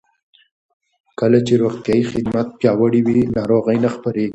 کله چې روغتیايي خدمات پیاوړي وي، ناروغۍ نه خپرېږي.